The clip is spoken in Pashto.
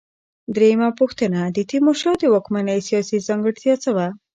درېمه پوښتنه: د تیمورشاه د واکمنۍ سیاسي ځانګړتیا څه وه؟